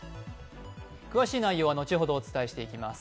詳しい内容は後ほどお伝えしていきます。